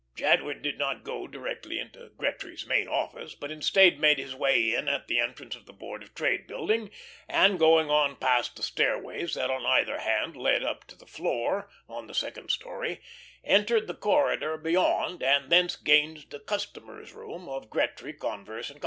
Jadwin did not go directly into Gretry's main office, but instead made his way in at the entrance of the Board of Trade Building, and going on past the stairways that on either hand led up to the "Floor" on the second story, entered the corridor beyond, and thence gained the customers' room of Gretry, Converse & Co.